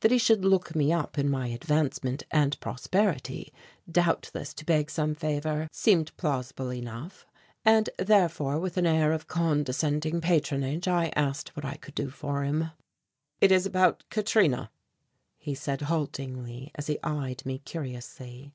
That he should look me up in my advancement and prosperity, doubtless to beg some favour, seemed plausible enough, and therefore with an air of condescending patronage, I asked what I could do for him. "It is about Katrina," he said haltingly, as he eyed me curiously.